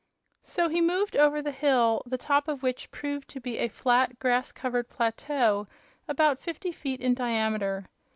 So he moved over the hill, the top of which proved to be a flat, grass covered plateau about fifty feet in diameter.